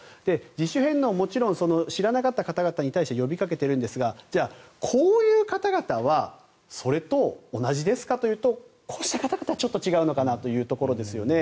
自主返納、もちろん知らなかった方々に対して呼びかけているんですがじゃあ、こういう方々はそれと同じですかというとこうした方々はちょっと違うのかなというところですよね。